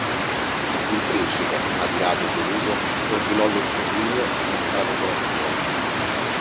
Il principe, adirato e deluso, ordinò lo sterminio di tutta la popolazione.